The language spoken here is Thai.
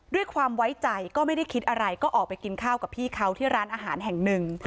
ด้วยความไว้ใจก็ไม่ได้คิดอะไรก็ออกไปกินข้าวกับพี่เขาที่ร้านอาหารแห่งหนึ่ง